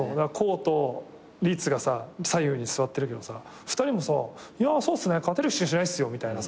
滉と律が左右に座ってるけど２人もさ「いやそうっすね勝てる気しかしないっすよ」みたいなさ。